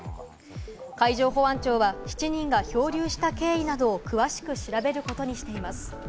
海上保安庁は７人が漂流した経緯などを詳しく調べることにしています。